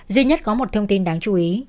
duy nhất có một thông tin đáng chú ý